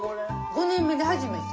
５年目で初めて。